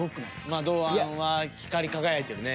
まあ堂安は光り輝いてるね。